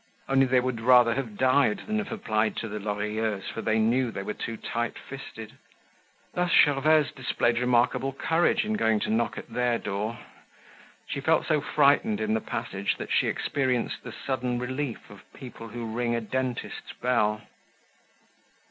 Only they would rather have died than have applied to the Lorilleuxs, for they knew they were too tight fisted. Thus Gervaise displayed remarkable courage in going to knock at their door. She felt so frightened in the passage that she experienced the sudden relief of people who ring a dentist's bell.